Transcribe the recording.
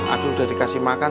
adul udah dikasih makan